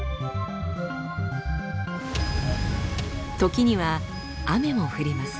時には雨も降ります。